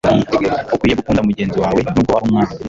Ukwiye gukunda mugenzi wawe, n'ubwo waba umwanga